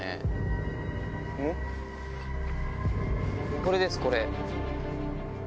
これですこれ。